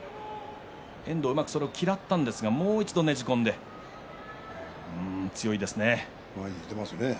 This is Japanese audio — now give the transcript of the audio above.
遠藤はそれを嫌ったんですけれどももう一度ねじ込んで、強いですね。